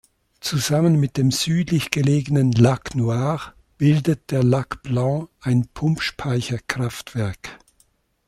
Zusammen mit dem südlich gelegenen Lac Noir bildet der Lac Blanc ein Pumpspeicherkraftwerk.